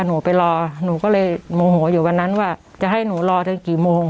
หนูไปรอหนูก็เลยโมโหอยู่วันนั้นว่าจะให้หนูรอจนกี่โมง